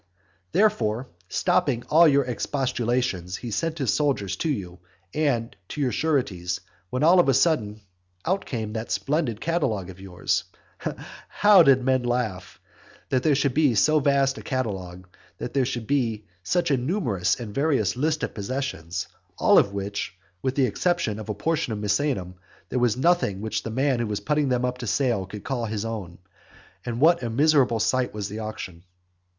Therefore, stopping all your expostulations, he sent his soldiers to you, and to your sureties, when all on a sudden out came that splendid catalogue of yours. How men did laugh! That there should be so vast a catalogue, that their should be such a numerous and various list of possessions, of all of which, with the exception of a portion of Misenum, there was nothing which the man who was putting them up to sale could call his own. And what a miserable sight was the auction.